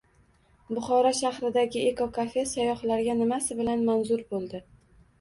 Buxoro shahridagi eko-kafe sayyohlarga nimasi bilan manzur boʻldi?